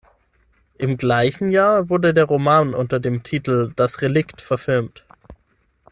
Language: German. Im gleichen Jahr wurde der Roman unter dem Titel "Das Relikt" verfilmt.